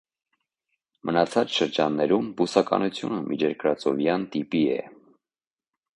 Մնացած շրջաններում բուսականությունը միջերկրածովյան տիպի է։